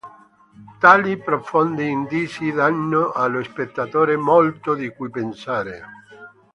Tali profondi indizi danno allo spettatore molto di cui pensare.